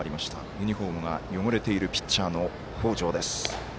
ユニフォームが汚れているピッチャーの北條です。